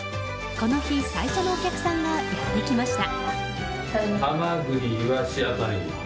この日、最初のお客さんがやってきました。